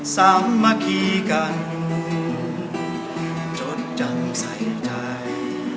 สามัคคีกันจดจำใส่ใจ